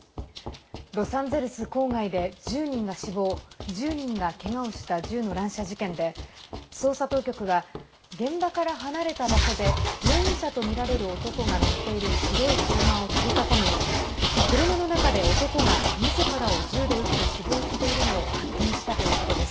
ロサンゼルス郊外で１０人が死亡１０人がけがをした銃の乱射事件で捜査当局は現場から離れた場所で容疑者とみられる男が乗っている白い車を取り囲み車の中で男が、みずからを銃で撃って死亡しているのを発見したということです。